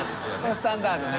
スタンダードね。